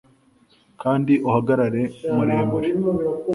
kandi uhagarare muremure